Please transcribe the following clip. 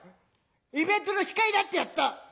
イベントの司会だってやった。